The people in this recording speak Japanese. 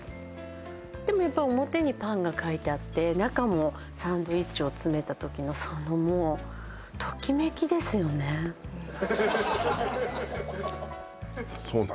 でもやっぱり表にパンが描いてあってで中もサンドイッチを詰めた時のそのもうときめきですよねうん